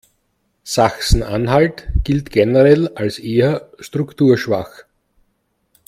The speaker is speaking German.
Sachsen-Anhalt gilt generell als eher strukturschwach.